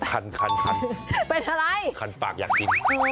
คันคันคันปากอยากกินเป็นอะไร